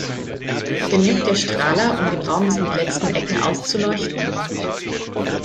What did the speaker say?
Genügt der Strahler, um den Raum bis in die letzten Ecken auszuleuchten?